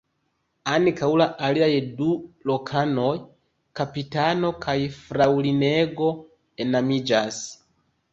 Ankaŭ la aliaj du lokanoj (kapitano kaj fraŭlinego) enamiĝas.